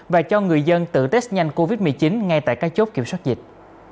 và cho người dân tự test nhanh covid một mươi chín ngay tại các chốt kiểm soát dịch